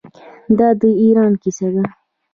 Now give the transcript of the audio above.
دا د ایران کیسه ده.